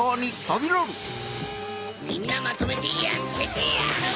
みんなまとめてやっつけてやる！